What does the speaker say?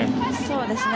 そうですね。